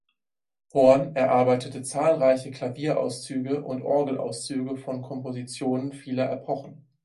Horn erarbeitete zahlreiche Klavierauszüge und Orgelauszüge von Kompositionen vieler Epochen.